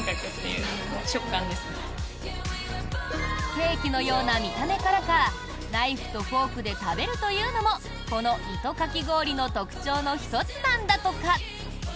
ケーキのような見た目からかナイフとフォークで食べるというのもこの糸かき氷の特徴の１つなんだとか。